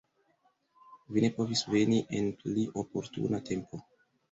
Vi ne povis veni en pli oportuna tempo.